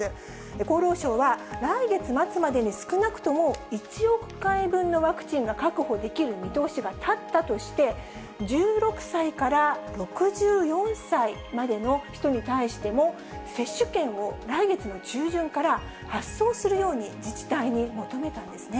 厚労省は来月末までに、少なくとも１億回分のワクチンが確保できる見通しが立ったとして、１６歳から６４歳までの人に対しても、接種券を来月の中旬から発送するように自治体に求めたんですね。